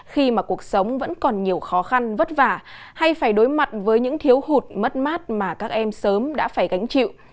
khi mà cuộc sống vẫn còn nhiều khó khăn vất vả hay phải đối mặt với những thiếu hụt mất mát mà các em sớm đã phải gánh chịu